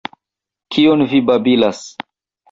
Kion vi babilas!